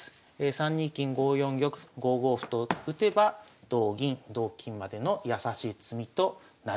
３二金５四玉５五歩と打てば同銀同金までの易しい詰みとなるわけですね。